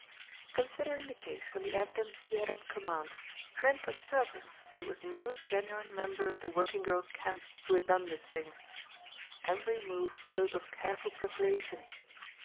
Considering the case from the evidence he had at command Trent was certain it was no genuine member of the working girls' camp who had done this thing. Every move spoke of careful preparation.